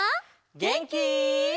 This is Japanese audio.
げんき？